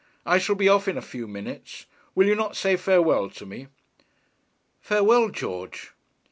I shall be off in a few minutes. Will you not say farewell to me?' 'Farewell, George.'